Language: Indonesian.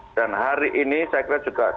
dan hari ini saya kira juga